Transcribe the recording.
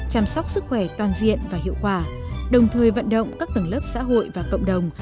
chăm sóc sức khỏe toàn diện và hiệu quả đồng thời vận động các tầng lớp xã hội và cộng đồng